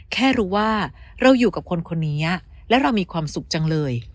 แค่รู้ว่าเราอยู่กับคนคนนี้และเรามีความสุขจังเลย